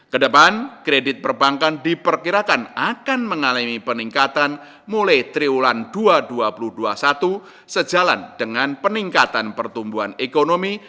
kedepan kredit perbankan diperkirakan akan mengalami peningkatan mulai triwulan dua ribu dua puluh dua sejalan dengan peningkatan pertumbuhan ekonomi